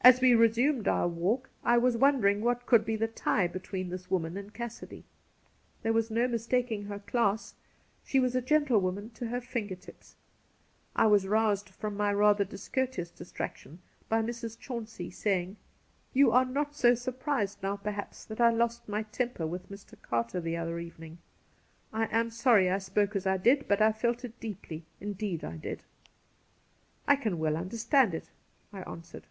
As we resumed our walk I was wondering what could be the tie between this woman and Cassidy, There was no mistaking her class. She was a gentlewoman to her finger tips. I was roused from my rather discourteous distraction by Mrs. Chauncey saying : 'You are not so surprised now, perhaps, that I lost my temper with Mr. Carter the other evening. I am sorry I spoke as I did, but I felt it deeply — indeed I did.' ' I can well understand it,' I answered.